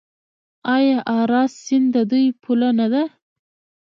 آیا اراس سیند د دوی پوله نه ده؟